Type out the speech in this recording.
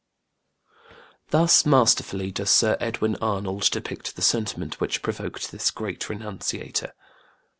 Thus masterfully does Sir Edwin Arnold depict the sentiment which provoked this Great Renunciator.